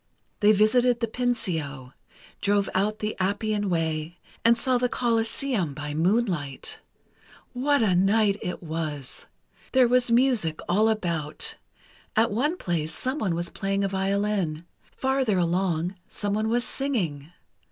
They visited the Pincio, drove out the Appian way, and saw the Coliseum by moonlight. What a night it was! There was music all about—at one place, someone was playing a violin. Farther along, someone was singing.